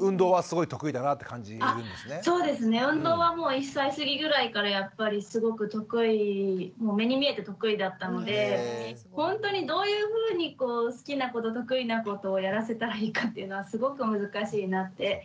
運動は１歳過ぎぐらいからやっぱりすごく得意目に見えて得意だったのでほんとにどういうふうにこう好きなこと得意なことをやらせたらいいかっていうのはすごく難しいなって思いますね。